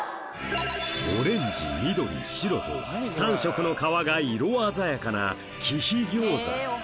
オレンジ緑白と３色の皮が色鮮やかな貴妃餃子